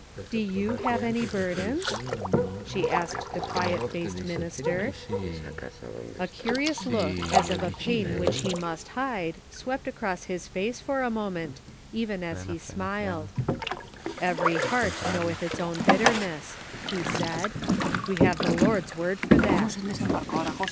"Do you have any burdens?" she asked the quiet faced minister. A curious look as of a pain which he must hide, swept across his face for a moment, even as he smiled. " Every heart knoweth its own bitterness," he said. "We have the Lord's word for that."